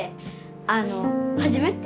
あの初めて。